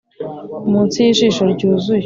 munsi y'ijisho ryuzuye,